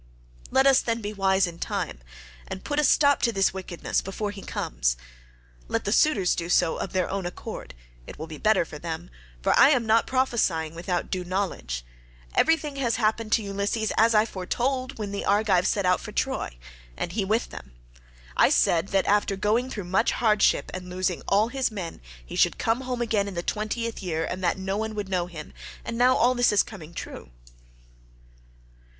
Let us then be wise in time, and put a stop to this wickedness before he comes. Let the suitors do so of their own accord; it will be better for them, for I am not prophesying without due knowledge; everything has happened to Ulysses as I foretold when the Argives set out for Troy, and he with them. I said that after going through much hardship and losing all his men he should come home again in the twentieth year and that no one would know him; and now all this is coming true."